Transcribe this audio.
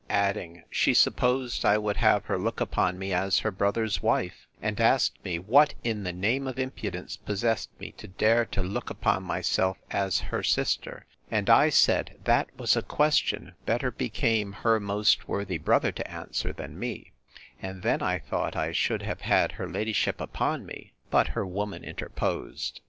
adding, She supposed I would have her look upon me as her brother's wife: And asked me, What, in the name of impudence, possessed me, to dare to look upon myself as her sister? And I said, That was a question better became her most worthy brother to answer, than me. And then I thought I should have had her ladyship upon me; but her woman interposed.